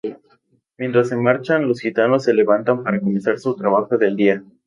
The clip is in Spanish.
Mientras se marchan, los gitanos se levantan para comenzar su trabajo del día.